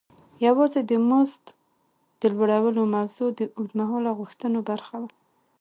یوازې د مزد د لوړولو موضوع د اوږد مهاله غوښتنو برخه وه.